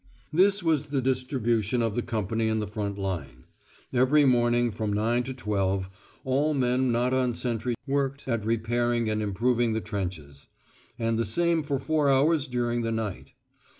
This was the distribution of the company in the front line. Every morning from 9 to 12 all men not on sentry worked at repairing and improving the trenches; and the same for four hours during the night.